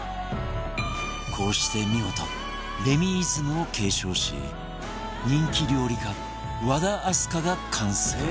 こうして見事レミイズムを継承し人気料理家和田明日香が完成